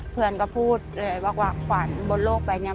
เพื่อนก็พูดเลยว่าขวัญบนโลกไปเนี่ย